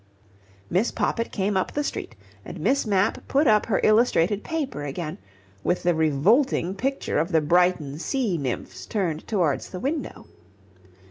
Miss Poppit came up the street and Miss Mapp put up her illustrated paper again, with the revolting picture of the Brighton sea nymphs turned towards the window.